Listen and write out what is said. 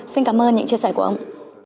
xin cảm ơn những chia sẻ của ông